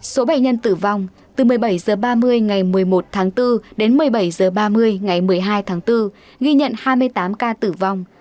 số bệnh nhân tử vong từ một mươi bảy h ba mươi ngày một mươi một tháng bốn đến một mươi bảy h ba mươi ngày một mươi hai tháng bốn ghi nhận hai mươi tám ca tử vong